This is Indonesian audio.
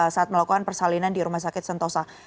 saat melakukan persalinan di rumah sakit sentosa